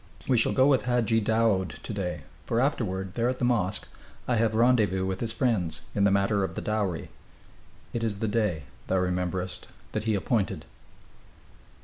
We shall go with Hadji Daoud to day, for afterward, there at the mosque, I have rendezvous with his friends, in the matter of the dowry. It is the day, thou rememberest, that he appointed."